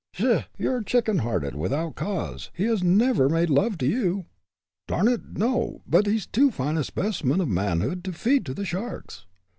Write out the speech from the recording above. "Pshaw! you're chicken hearted, without cause. He's never made love to you." "Darn it, no; but he's too fine a specimen of manhood to feed to the sharks."